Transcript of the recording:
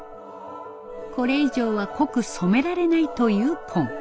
これ以上は濃く染められないという紺。